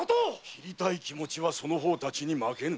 斬りたい気持ちはその方たちに負けぬ。